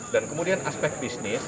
dan kemudian aspek bisnis